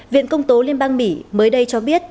viện công tố liên bang mỹ mới đây cho biết